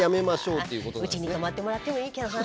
うちに泊まってもらってもいいけどな。